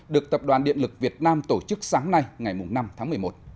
được tập đoàn điện lực việt nam tổ chức sáng nay ngày năm tháng một mươi một